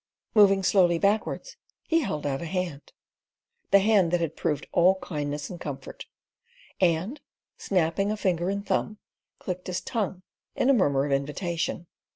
Moving slowly backwards, he held out one hand the hand that had proved all kindness and comfort and, snapping a finger and thumb, clicked his tongue in a murmur of invitation.